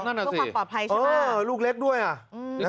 ต้องการปลอดภัยใช่ป่ะลูกเล็กด้วยอ่ะ